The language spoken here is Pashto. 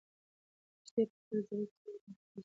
لښتې په خپلې زړې کڅوړې کې لږې پیسې موندلې وې.